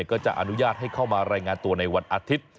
ก็จะอนุญาตให้เข้ามารายงานตัวในวันอาทิตย์